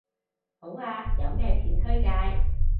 好啊，有咩片推介